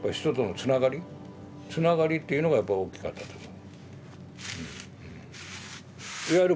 人とのつながりつながりっていうのがやっぱ大きかったと思う。